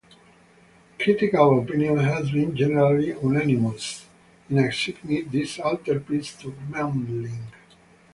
Critical opinion has been generally unanimous in assigning this altarpiece to Memling.